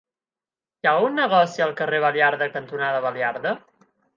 Hi ha algun negoci al carrer Baliarda cantonada Baliarda?